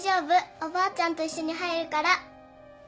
おばあちゃんと一緒に入るから。